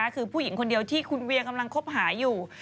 คือผู้หญิงคนเดียวที่คุณเวียกำลังคบหาอยู่